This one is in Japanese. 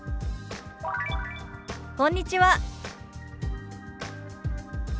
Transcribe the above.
「こんにちは」。